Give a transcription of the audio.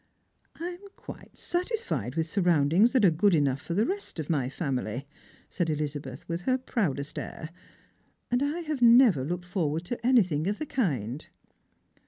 "I am quite satisfied with surroundings that are good enough for the rest of my family," said Elizabeth with her proudest air; " and I have never looked forward to anything of the kind."